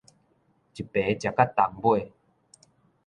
一耙食到冬尾